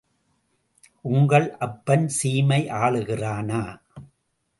உங்கள் அப்பன் சீமை ஆளுகிறானா?